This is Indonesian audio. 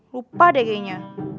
lupa deh kayaknya